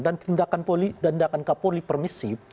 dan tindakan kepolis permisi